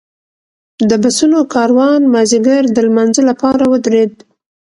د بسونو کاروان مازیګر د لمانځه لپاره ودرېد.